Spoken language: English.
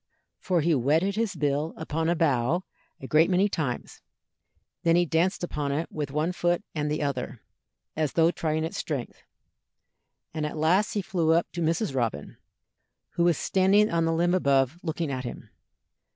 For he whetted his bill upon a bough a great many times, and then he danced upon it with one foot and the other, as though trying its strength, and at last he flew up to Mrs. Robin, who was standing on the limb above looking at him.